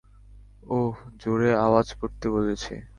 ওহ, জোরে আওয়াজ করতে বলেছি?